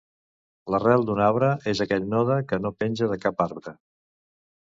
L'arrel d'un arbre és aquell node que no penja de cap arbre.